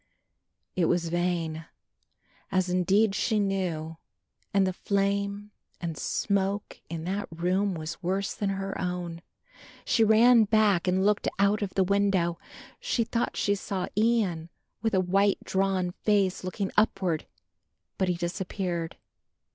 It was vain, as indeed she knew, and the flame and smoke in that room was worse than her own. She ran back and looked out of the window. She thought she saw Ian with a white drawn face looking upward, but he disappeared.